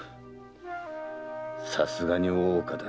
さすがに大岡だ。